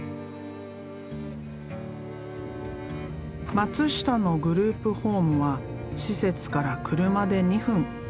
松下のグループホームは施設から車で２分。